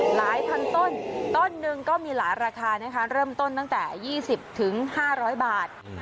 หลายพันต้นต้นหนึ่งก็มีหลายราคานะคะเริ่มต้นตั้งแต่๒๐๕๐๐บาท